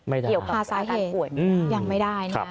ไม่ได้ยังไม่ได้นะ